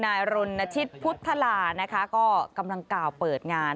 นายรณชิตพุทธลานะคะก็กำลังกล่าวเปิดงาน